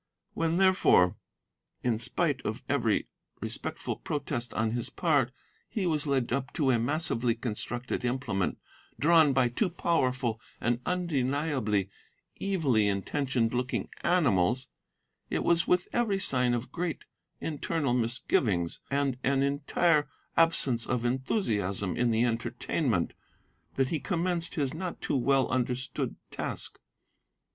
When, therefore, in spite of every respectful protest on his part, he was led up to a massively constructed implement drawn by two powerful and undeniably evilly intentioned looking animals, it was with every sign of great internal misgivings, and an entire absence of enthusiasm in the entertainment, that he commenced his not too well understood task.